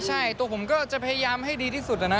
ใช่ตัวผมก็จะพยายามให้ดีที่สุดอะนะ